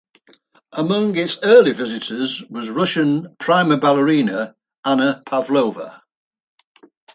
Among its early visitors was Russian prima ballerina Anna Pavlova.